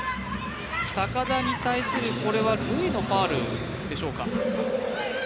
高田に対するルイのファウルでしょうか。